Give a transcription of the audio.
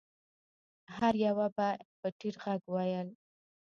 هر يوه به په ټيټ غږ ويل.